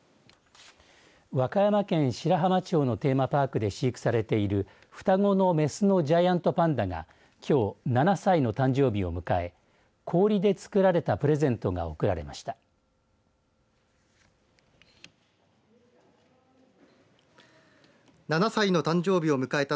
和歌山県白浜町のテーマパークで飼育されている双子のメスのジャイアントパンダがきょう７歳の誕生日を迎え氷でつくられたプレゼントが贈られました。